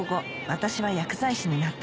私は薬剤師になった